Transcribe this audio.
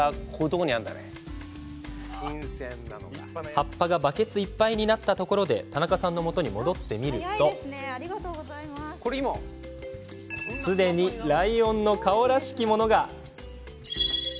葉っぱが、バケツいっぱいになったところで田中さんのもとに戻ってみるとすでにライオンの顔らしきものが。